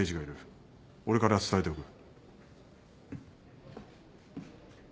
俺から伝えておく。